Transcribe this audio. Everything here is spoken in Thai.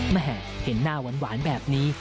แม่เห็นหน้าหวานแบบนี้